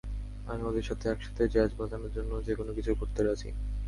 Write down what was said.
আমি ওদের সাথে একসাথে জ্যাজ বাজানোর জন্য যেকোনোকিছু করতেই রাজি।